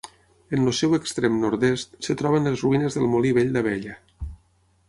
En el seu extrem nord-est es troben les ruïnes del Molí Vell d'Abella.